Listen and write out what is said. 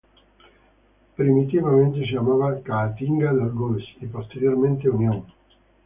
Primitivamente se llamaba Caatinga del Góis y posteriormente Unión.